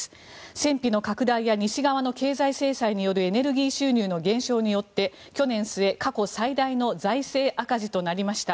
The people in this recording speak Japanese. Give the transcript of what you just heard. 戦費の拡大や西側諸国の経済制裁によるエネルギー収入の減少によって去年末、過去最大の財政赤字となりました。